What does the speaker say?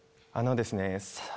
あのですね